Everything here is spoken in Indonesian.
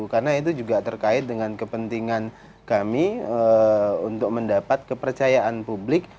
karena itu juga terkait dengan kepentingan kami untuk mendapat kepercayaan publik